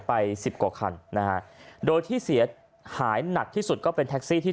สิบกว่าคันนะฮะโดยที่เสียหายหนักที่สุดก็เป็นแท็กซี่ที่